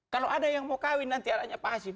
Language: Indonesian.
kalau ada yang mau kawin nanti arahnya pak hasim